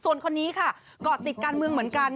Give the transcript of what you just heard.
ส่วนคนนี้ค่ะเกาะติดการเมืองเหมือนกัน